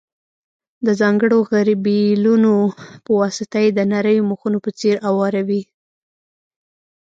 د ځانګړو غربیلونو په واسطه یې د نریو مخونو په څېر اواروي.